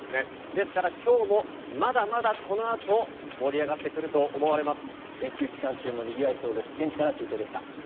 ですから今日もまだまだこのあと盛り上がってくると思われます。